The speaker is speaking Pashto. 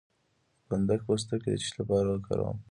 د فندق پوستکی د څه لپاره وکاروم؟